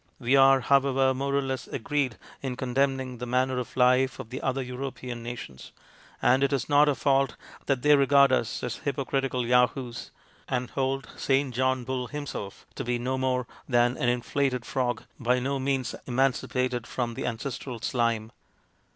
We are, however, more or less agreed in condemning 13 194 MONOLOGUES the manner of life of the other European nations, and it is not our fault that they regard us as hypocritical yahoos, and hold Saint John Bull himself to be no more than an inflated frog, by no means emancipated from the ancestral slime.